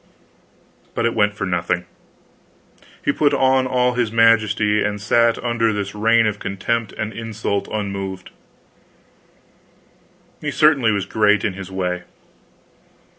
But it went for nothing. He put on all his majesty and sat under this rain of contempt and insult unmoved. He certainly was great in his way.